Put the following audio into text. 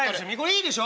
いいでしょ？